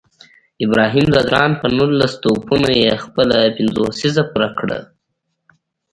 ابراهیم ځدراڼ په نولس توپونو یې خپله پنځوسیزه پوره کړه